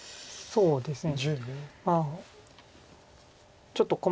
そうですね。